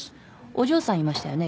お嬢さんいましたよね？